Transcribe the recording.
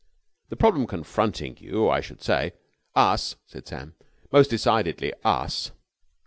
The problem confronting us you, I should say...." "Us," said Sam. "Most decidedly us."